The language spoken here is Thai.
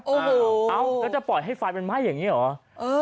โอ้โหเอ้าแล้วจะปล่อยให้ไฟมันไหม้อย่างนี้เหรอ